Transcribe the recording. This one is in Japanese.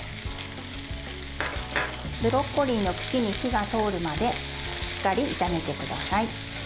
ブロッコリーの茎に火が通るまでしっかり炒めてください。